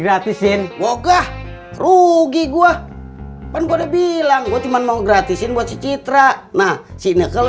gratisin wogah rugi gua kan udah bilang gue cuman mau gratisin buat citra nah sini kalau